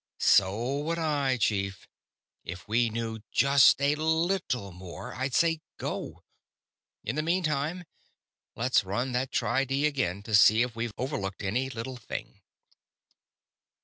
"_ "So would I, chief. If we knew just a little _more I'd say go. In the meantime, let's run that tri di again, to see if we've overlooked any little thing!"